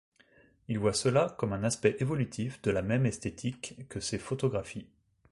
Il voit cela comme un aspect évolutif de la même esthétique que ses photographies.